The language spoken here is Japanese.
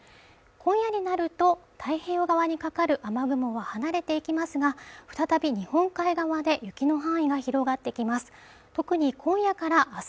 今夜になると太平洋側にかかる雨雲は離れていきますが再び日本海側で雪の範囲が広がってきます